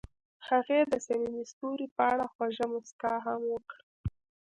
هغې د صمیمي ستوري په اړه خوږه موسکا هم وکړه.